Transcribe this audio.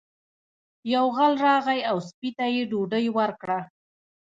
یو غل راغی او سپي ته یې ډوډۍ ورکړه.